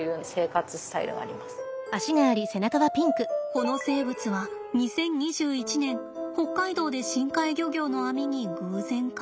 この生物は２０２１年北海道で深海漁業の網に偶然かかりました。